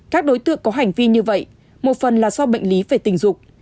các đối tượng có hành vi như vậy một phần là do bệnh lý về tình dục